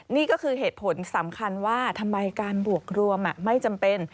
นี่ก็คือเหตุผลสำคัญว่าทำไมการบวกรวมไม่จำเป็น